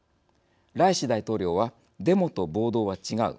ライシ大統領はデモと暴動は違う。